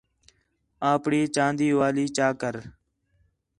آپݨی چاندی والی چا کر